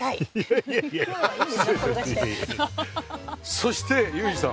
そしてユージさん。